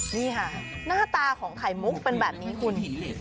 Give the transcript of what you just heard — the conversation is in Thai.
นี่ค่ะหน้าตาของไข่มุกเป็นแบบนี้คุณ